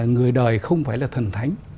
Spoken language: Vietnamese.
người đời không phải là thần thánh